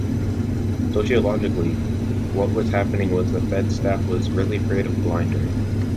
Sociologically, what was happening was the Fed staff was really afraid of Blinder.